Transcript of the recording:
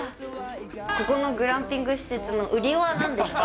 ここのグランピング施設の売りはなんですか？